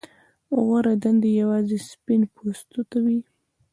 غوره دندې یوازې سپین پوستو ته وې.